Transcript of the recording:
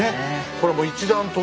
これもう一段とね